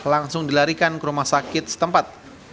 langsung dilarikan ke rumah sakit setempat